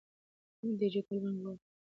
ډیجیټل بانکوالي د بانکونو ترمنځ سیالي زیاتوي.